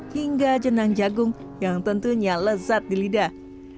hingga jenang jagung yang tentunya lezat di lidah